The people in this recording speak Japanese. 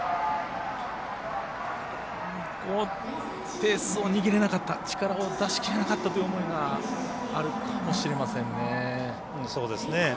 ペースを握れなかった力を出しきれなかったという思いがあるかもしれませんね。